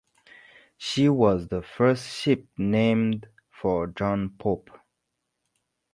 She was the first ship named for John Pope.